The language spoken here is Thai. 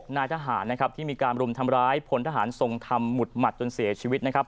นายทหารนะครับที่มีการรุมทำร้ายพลทหารทรงธรรมหมุดหมัดจนเสียชีวิตนะครับ